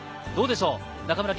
どうでしょう？